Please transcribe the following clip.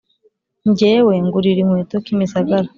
Njyewe ngurira inkweto kimisagara